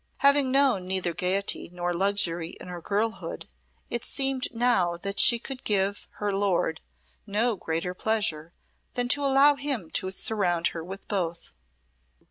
Having known neither gayety nor luxury in her girlhood, it seemed now that she could give her lord no greater pleasure than to allow him to surround her with both.